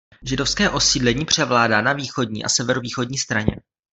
Židovské osídlení převládá na východní a severovýchodní straně.